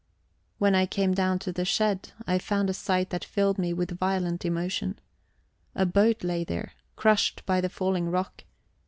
When I came down to the shed, I found a sight that filled me with violent emotion. A boat lay there, crushed by the falling rock.